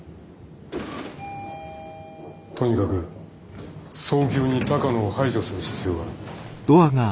とにかく早急に鷹野を排除する必要が。